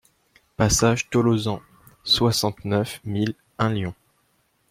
Passage Tolozan, soixante-neuf mille un Lyon